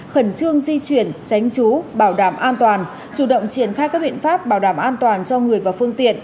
khẩn trương di chuyển tránh trú bảo đảm an toàn chủ động triển khai các biện pháp bảo đảm an toàn cho người và phương tiện